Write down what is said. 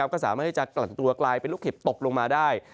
ก็สามารถที่จะกลั่นตัวกลายเป็นลูกเห็บตกลงมาได้